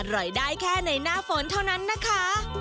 อร่อยได้แค่ในหน้าฝนเท่านั้นนะคะ